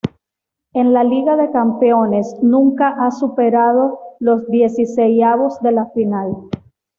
En la Liga de Campeones nunca ha superado los dieciseisavos de final.